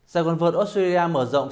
giải quản vật australia mở rộng